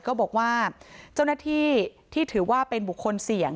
ก็บอกว่าเจ้าหน้าที่ที่ถือว่าเป็นบุคคลเสี่ยง